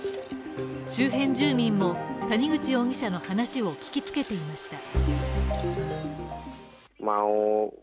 周辺住民も谷口容疑者の話を聞きつけていました。